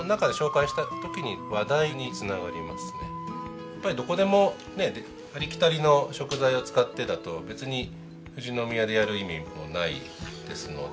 会話の中でやっぱりどこでもありきたりの食材を使ってだと別に富士宮でやる意味もないですので。